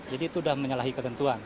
jadi itu sudah menyalahi ketentuan